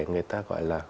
người ta gọi là